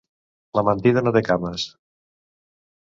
La mentida no té cames.